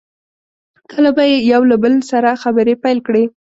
کله به یې یو له بل سره خبرې پیل کړې.